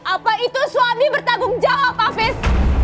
apa itu suami bertanggung jawab hafiz